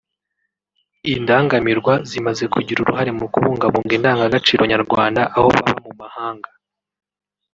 Indangamirwa zimaze kugira uruhare mu kubungabunga indangagaciro nyarwanda aho baba mu mahanga